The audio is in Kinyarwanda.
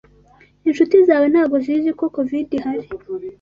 Inshuti zawe ntago zizi ko covide ihari?